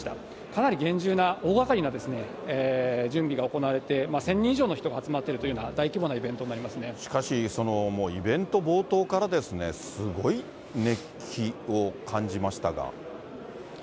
かなり厳重な、大がかりな準備が行われて、１０００人以上の人が集まっているというような、しかし、そのもうイベント冒頭からすごい熱気を感じましたが。